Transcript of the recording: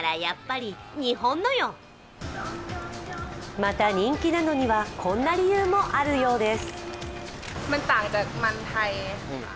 また、人気なのにはこんな理由もあるようです。